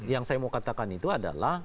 yang saya mau katakan itu adalah